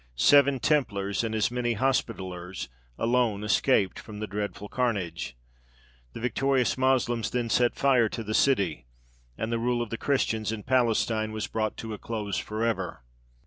Seven Templars, and as many Hospitallers, alone escaped from the dreadful carnage. The victorious Moslems then set fire to the city, and the rule of the Christians in Palestine was brought to a close for ever.